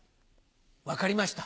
分かりました。